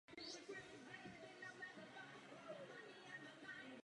Měli jsme pomalejší růst výnosů a rostoucí celosvětovou spotřebu.